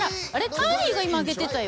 ターリーが今上げてたよ］